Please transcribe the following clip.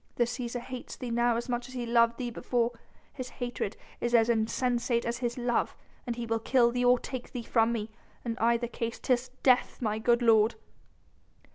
The Cæsar hates thee now as much as he loved thee before ... his hatred is as insensate as his love.... He will kill thee or take thee from me.... In either case 'tis death, my good lord...."